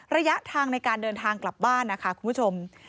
ระยะทางในการเดินทางกลับบ้านนะคะคุณผู้ชม